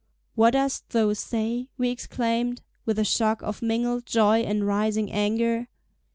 "What dost thou say?" we exclaimed, with a shock of mingled joy and rising anger.